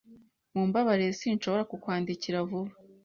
Mumbabarire sinshobora kukwandikira vuba.